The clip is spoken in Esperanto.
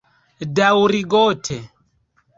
Daŭrigote